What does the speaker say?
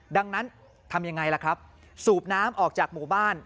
ดังนั้นทำยังไงล่ะครับสูบน้ำออกจากหมู่บ้าน